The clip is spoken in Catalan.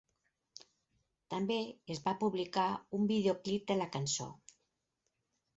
També es va publicar un videoclip de la cançó.